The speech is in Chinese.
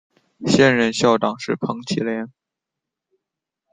现任校长是彭绮莲。